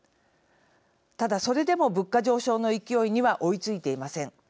ただ、それでも物価上昇の勢いには追いついていません。